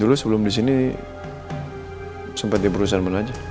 dulu sebelum disini sempat di perusahaan mana aja